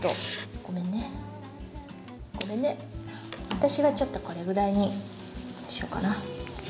私はちょっとこれぐらいにしようかな。